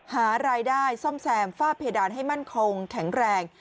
หารายได้ซ่อมแซมฝ้าเพดานให้มั่นคงแข็งแรง